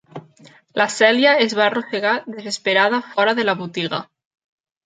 La Celia es va arrossegar desesperada fora de la botiga.